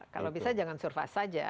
kalau bisa jangan survive saja